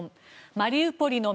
マリウポリの